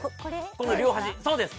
この両端そうです